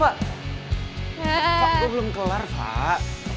fak gue belum kelar fak